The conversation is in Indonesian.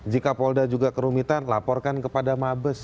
jika polda juga kerumitan laporkan kepada mabes